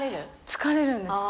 疲れるんです。